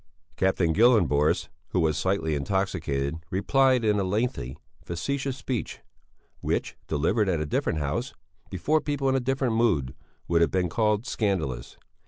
Captain Gyllenborst, who was slightly intoxicated, replied in a lengthy, facetious speech which, delivered at a different house, before people in a different mood, would have been called scandalous.